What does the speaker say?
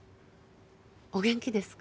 お元気ですか？